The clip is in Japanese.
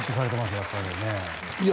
やっぱりねいや